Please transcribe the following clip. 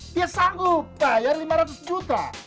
dia sanggup bayar lima ratus juta